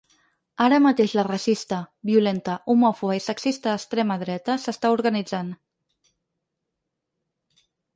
Ara mateix la racista, violenta, homòfoba i sexista extrema dreta s’està organitzant.